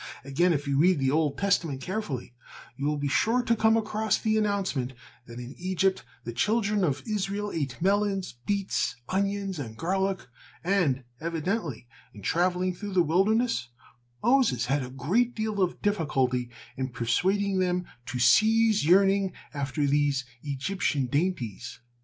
Again, if you read the Old Testament carefully, you will be sure to come across the announcement that in Egypt the children of Israel ate melons, beets, onions and garlic, and, evidently, in traveling through the wilderness, Moses had a great deal of difficulty in persuading them to cease yearning after these Egyptian dainties.